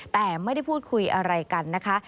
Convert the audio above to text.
แต่ไม่ได้พูดคุยอะไรกันนะคะ